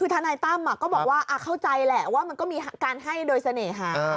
คือทนายตั้มก็บอกว่าเข้าใจแหละว่ามันก็มีการให้โดยเสน่หา